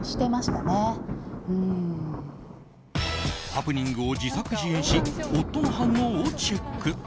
ハプニングを自作自演し夫の反応をチェック。